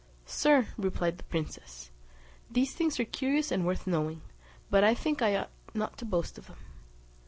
"Sir," replied the princess, "these things are curious and worth knowing; but I think I ought not to boast of them."